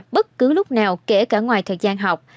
bất cứ lúc nào kể cả ngoài thời gian học